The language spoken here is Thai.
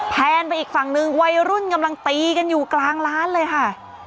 แนนไปอีกฝั่งนึงวัยรุ่นกำลังตีกันอยู่กลางร้านเลยค่ะ